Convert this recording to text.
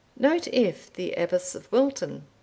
Note F. The Abbess of Wilton.